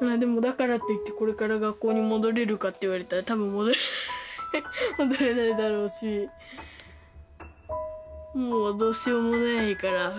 まあでもだからといってこれから学校に戻れるかって言われたら多分戻れない戻れないだろうしもうどうしようもないから。